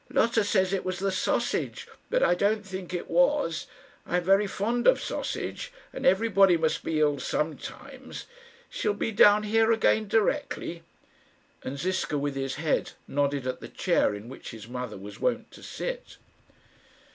"Lotta says it was the sausage, but I don't think it was. I'm very fond of sausage, and everybody must be ill sometimes. She'll be down here again directly;" and Ziska with his head nodded at the chair in which his mother was wont to sit.